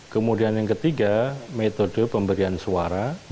kemudian yang ketiga metode pemberian suara